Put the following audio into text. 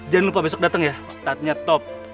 jangan lupa besok datang ya startnya top